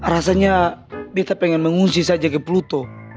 rasanya bete pengen mengungsi saja ke pluto